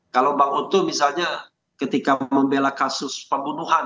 kalau bang oto misalnya ketika membela kasus pembunuhan